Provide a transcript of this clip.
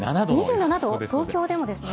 ２７度、東京でもですね。